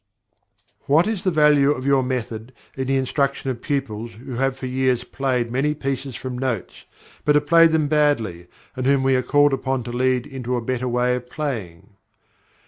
"What is the value of your method, in the instruction of pupils who have for years played many pieces from notes, but have played them badly, and whom we are called upon to lead into a better way of playing?"